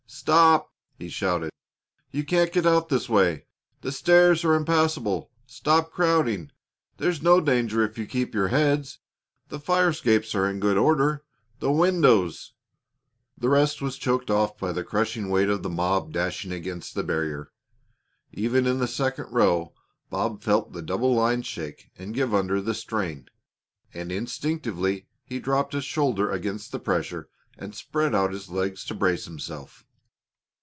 "Stop!" he shouted. "You can't get out this way. The stairs are impassable. Stop crowding! There's no danger if you keep your heads. The fire escapes are in good order. The windows " The rest was choked off by the crushing weight of the mob dashing against the barrier. Even in the second row Bob felt the double line shake and give under the strain, and instinctively he dropped a shoulder against the pressure and spread out his legs to brace himself.